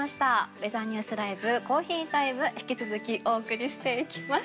ウェザーニュースＬｉＶＥコーヒータイム、引き続きお送りしていきます。